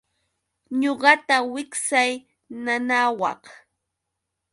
Ñuqata wiksay nanawaq.